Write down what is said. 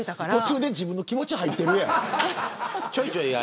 途中で自分の気持ち入ってるやん。